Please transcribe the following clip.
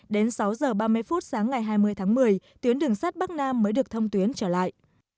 đến sáu giờ ba mươi phút sáng ngày hai mươi tháng một mươi tuyến đường sắt bắc nam mới được thông tuyến trở lại